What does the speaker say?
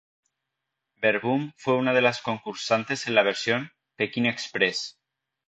Verboom fue una de las concursantes en la versión "Pekín Express".